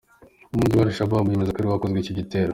Umugwi wa Al Shabab wemeza ko ari wo wakoze ico gitero.